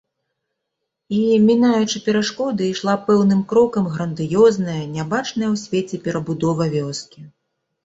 І, мінаючы перашкоды, ішла пэўным крокам грандыёзная, нябачаная ў свеце перабудова вёскі.